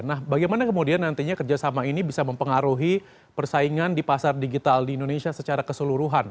nah bagaimana kemudian nantinya kerjasama ini bisa mempengaruhi persaingan di pasar digital di indonesia secara keseluruhan